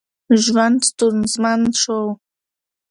ژوند ستونزمن شو.